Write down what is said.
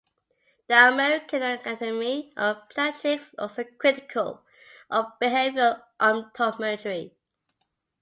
The American Academy of Pediatrics is also critical of behavioral optometry.